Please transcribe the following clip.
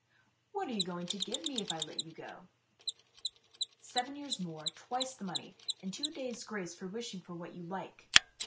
" What are you going to give me if I let you go ?"" Seven years more, twice the money, and two days' grace for wishing for what you like."